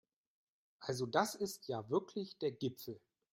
Also das ist ja wirklich der Gipfel!